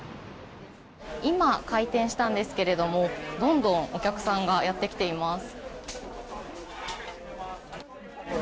今、開店したんですがどんどんお客さんがやってきています。